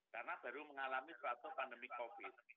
karena baru mengalami suatu pandemi covid